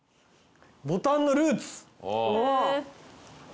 ボタンのルーツ。